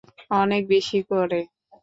অনেক বেশি করে।